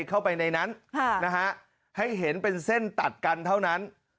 เข้าไปในนั้นให้เห็นเป็นเส้นตัดกันเท่านั้น